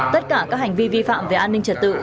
tất cả các hành vi vi phạm về an ninh trật tự